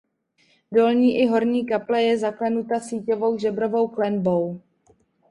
Dolní i horní kaple je zaklenuta síťovou žebrovou klenbou.